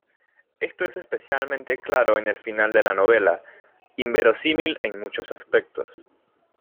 Esto es especialmente claro en el final de la novela, inverosímil en muchos aspectos.